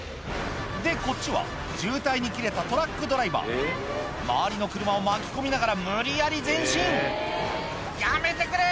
でこっちは渋滞にキレたトラックドライバー周りの車を巻き込みながら無理やり前進「やめてくれ！